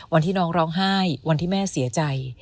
วันที่น้องร้องไห้วันที่แม่เสียใจ